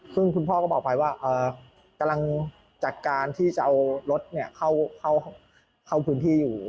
ซึ่งคุณพ่อก็บอกไปว่ากำลังจัดการที่จะเอารถเข้าพื้นที่อยู่